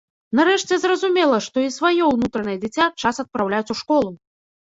Нарэшце, зразумела, што і сваё ўнутранае дзіця час адпраўляць у школу!